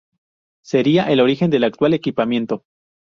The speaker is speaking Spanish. Sería el origen del actual equipamiento.